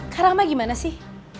karama gimana sih